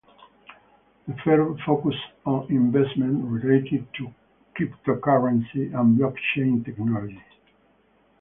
The firm focuses on investments related to cryptocurrency and blockchain technology.